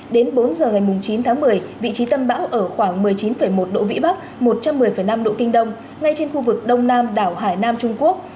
đến bốn giờ ngày chín tháng một mươi vị trí tâm bão ở khoảng một mươi chín một độ vĩ bắc một trăm một mươi năm độ kinh đông ngay trên khu vực đông nam đảo hải nam trung quốc